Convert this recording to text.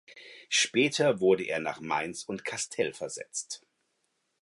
Später wurde er nach Mainz und Kastel versetzt.